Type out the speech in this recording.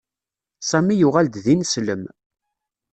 Sami yuɣal-d d ineslem.